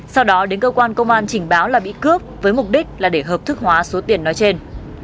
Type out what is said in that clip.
sau đó đến cơ quan công an trình báo là bị cướp với mục đích là để hợp thức hóa số tiền nói trên